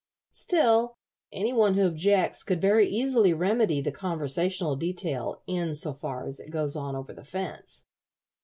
Still, any one who objects could very easily remedy the conversational detail in so far as it goes on over the fence."